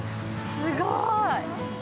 すごーい。